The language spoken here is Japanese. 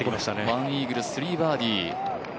１イーグル、３バーディー。